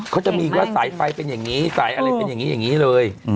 เขาจะมีว่าสายไฟเป็นอย่างนี้สายอะไรเป็นอย่างนี้อย่างนี้เลย